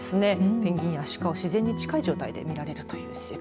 ペンギンやアシカを自然に近い状態で見られるという施設。